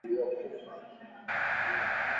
Utupaji mbovu wa wanyama waliokufa